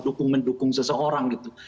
dukung mendukung seseorang gitu